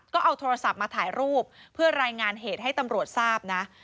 ก็เอาโทรศัพท์มาถ่ายรูปเพื่อรายงานเหตุให้ตำรวจทราบนะ